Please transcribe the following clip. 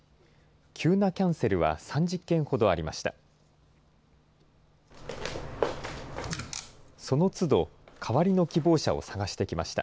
急なキャンセルは３０件ほどありました。